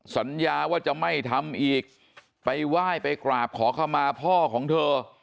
สัญญาว่าจะไม่ทำอีกไปไหว้ไปกราบขอเข้ามาพ่อของเธอ